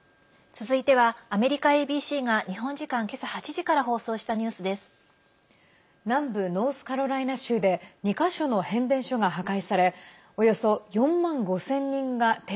続いては、アメリカＡＢＣが日本時間、今朝８時から放送したニュースです。